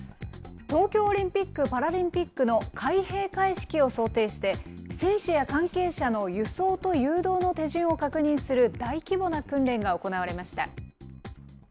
東京オリンピック・パラリンピックの開閉会式を想定して、選手や関係者の輸送と誘導の手順を確認する、大規模な訓練が行われました。